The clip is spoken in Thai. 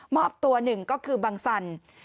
อบตัวหนึ่งก็คือบังสัน